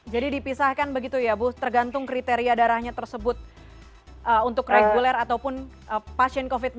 jadi dipisahkan begitu ya bu tergantung kriteria darahnya tersebut untuk reguler ataupun pasien covid sembilan belas